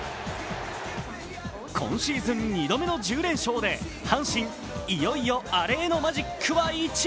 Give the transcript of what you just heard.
今シーズン２度目の１０連勝で阪神、いよいよアレへのマジックは１。